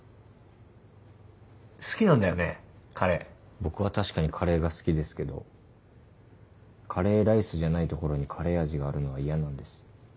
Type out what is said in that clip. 僕は確かにカレーが好きですけどカレーライスじゃないところにカレー味があるのは嫌なんです。